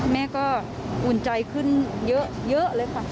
แม่ก็อุ่นใจขึ้นเยอะเลยค่ะ